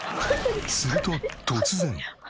すると突然。